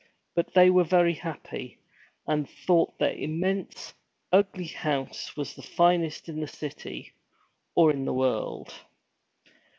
But they were very happy, and thought their immense, ugly house was the finest in the city, or in the world.